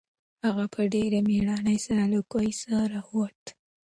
هغه په ډېرې مېړانې سره له کوهي څخه راووت.